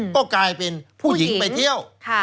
ก็กลายเป็นผู้หญิงไปเที่ยว